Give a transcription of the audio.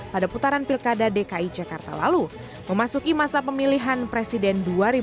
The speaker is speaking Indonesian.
pada putaran pilkada dki jakarta lalu memasuki masa pemilihan presiden dua ribu sembilan belas